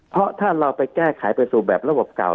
เพราะถ้าเราไปแก้ไขไปสู่แบบระบบเก่า